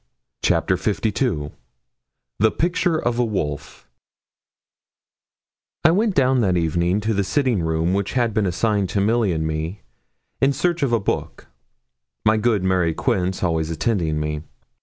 CHAPTER LII THE PICTURE OF A WOLF I went down that evening to the sitting room which had been assigned to Milly and me, in search of a book my good Mary Quince always attending me.